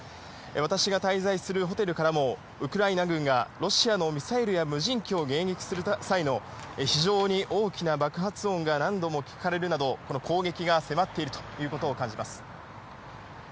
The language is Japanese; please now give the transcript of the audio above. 私が滞在するホテルからも、ウクライナ軍がロシアのミサイルや無人機を迎撃する際の、非常に大きな爆発音が何度も聞かれるなど、攻撃が迫っているということを感じます。